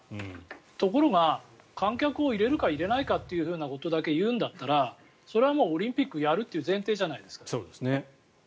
ところが、観客を入れるか入れないかということだけ言うんだったらそれはもうオリンピックをやるっていう前提じゃないですか。